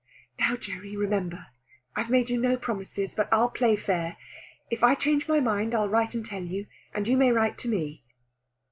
"Now, Gerry, remember, I've made you no promises; but I'll play fair. If I change my mind, I'll write and tell you. And you may write to me."